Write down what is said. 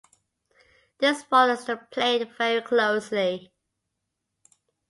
This follows the play very closely.